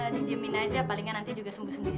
didiemin aja palingnya nanti juga sembuh sendiri